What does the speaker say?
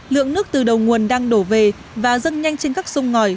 lượng nước từ đầu nguồn đang đổ về và dâng nhanh trên các sông ngòi